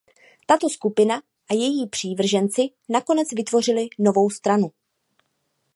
Tato skupina a její přívrženci nakonec vytvořili novou stranu.